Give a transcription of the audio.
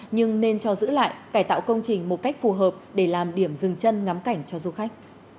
nhưng nên cho giữ lại cải tạo công trình một cách phù hợp để làm điểm dừng chân ngắm cảnh cho du khách